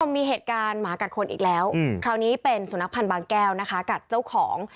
มีเหตุการณ์หมากัดคนอีกแล้วคราวนี้เป็นสุนัขพันธ์บางแก้วนะคะกัดเจ้าของ